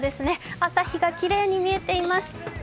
朝日がきれいに見えています。